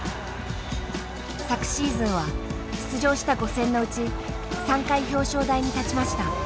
昨シーズンは出場した５戦のうち３回表彰台に立ちました。